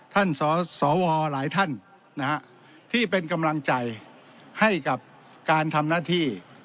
สวหลายท่านที่เป็นกำลังใจให้กับการทำหน้าที่